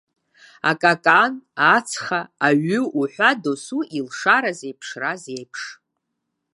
Акакан, ацха, аҩы уҳәа дасу илшара зеиԥшраз еиԥш.